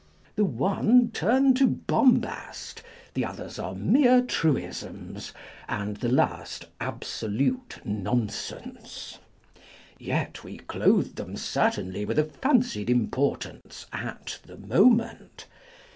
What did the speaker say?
The one turn to bombast, the others are mere truisms, and the last abso lute nonsense. Yet we clothe them certainly with a fancied importance at the moment.